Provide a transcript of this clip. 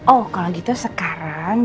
oh kalau gitu sekarang